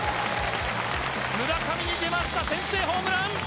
村上に出ました先制ホームラン。